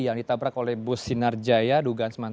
yang ditabrak oleh bus sinarjaya